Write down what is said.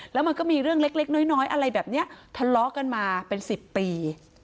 แล้วมันก็มีเรื่องเล็กน้อยอะไรแบบนี้ทะเลาะกันมาเป็น๑๐ปี